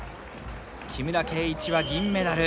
木村敬一は銀メダル。